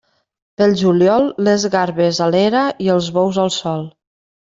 Pel juliol, les garbes a l'era i els bous al sol.